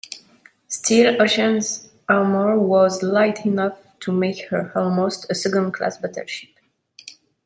Still, "Ocean"s armour was light enough to make her almost a second-class battleship.